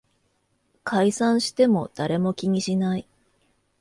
解散しても誰も気にしない